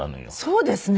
そうですね。